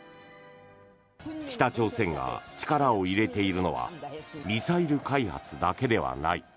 北朝鮮が力を入れているのはミサイル開発だけではない。